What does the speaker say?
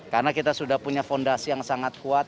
karena kita sudah punya fondasi yang sangat kuat